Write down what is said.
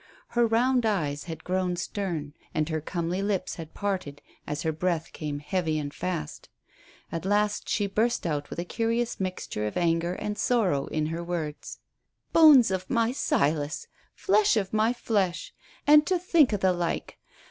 Her round eyes had grown stern, and her comely lips had parted as her breath came heavy and fast. At last she burst out with a curious mixture of anger and sorrow in her words. "Bone of my Silas; flesh of my flesh; an' to think o' the like.